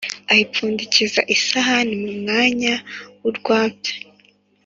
ayipfundikiza isahani mu mwanya w’urwabya.